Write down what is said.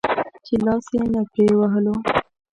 چې لاس يې نه پرې وهلو.